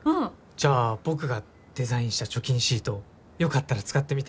じゃあ僕がデザインした貯金シートよかったら使ってみて。